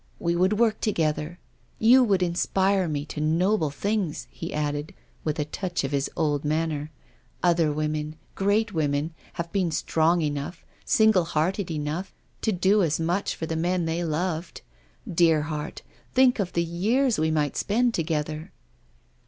We would work together. You would inspire me to noble things," he added, with a touch of his old manner. "Other women — great women — have been strong enough, 3ingle hearted enough, to do as much for the men they loved. Dear heart, think of the years we might spend to gether."